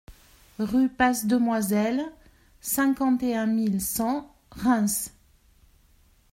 Rue Passe Demoiselles, cinquante et un mille cent Reims